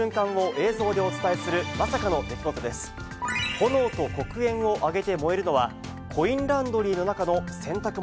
炎と黒煙を上げて燃えるのは、コインランドリーの中の洗濯物。